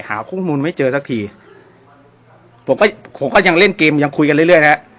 หาข้อมูลไม่เจอสักทีผมก็ผมก็ยังเล่นเกมยังคุยกันเรื่อยเรื่อยนะฮะ